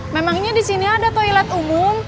memangnya di sini ada toilet umum